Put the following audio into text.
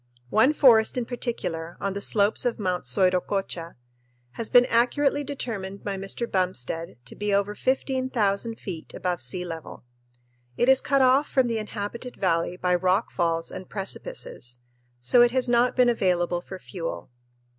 One forest in particular, on the slopes of Mt. Soiroccocha, has been accurately determined by Mr. Bumstead to be over 15,000 feet above sea level. It is cut off from the inhabited valley by rock falls and precipices, so it has not been available for fuel.